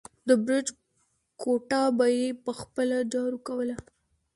د برج کوټه به يې په خپله جارو کوله.